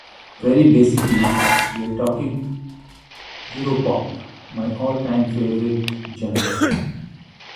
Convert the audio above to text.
Very basically, we're talking Europop, my all-time favourite genre.